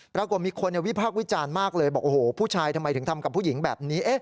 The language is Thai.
ปรากฏมีคนวิพากษ์วิจารณ์มากเลยบอกโอ้โหผู้ชายทำไมถึงทำกับผู้หญิงแบบนี้